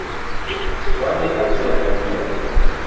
Wadhi achiel kachiel.